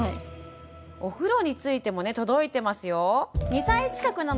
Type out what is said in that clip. お風呂についても届いてますよ。